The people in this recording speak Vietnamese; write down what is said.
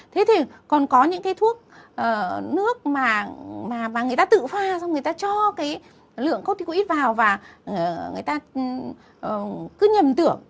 thế thì còn có những cái thuốc nước mà người ta tự pha xong người ta cho cái lượng coticoid vào và người ta cứ nhầm tưởng